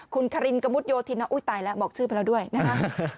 คุณคารินกระมุดโยธินอุ้ยตายแล้วบอกชื่อไปแล้วด้วยนะฮะ